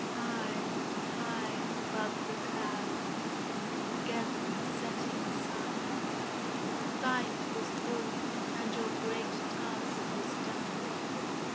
High, high, above the clouds, against the setting sun, The fight was fought, and your great task was done.